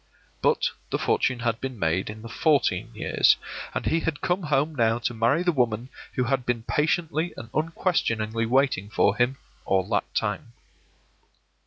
But the fortune had been made in the fourteen years, and he had come home now to marry the woman who had been patiently and unquestioningly waiting for him all that time.